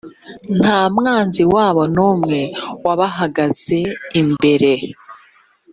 nta mwanzi wabo n umwe wabahagaze imbere